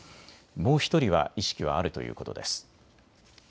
もう１人は意識はあるということです。